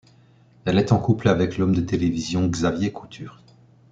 Elle est en couple avec l'homme de télévision Xavier Couture.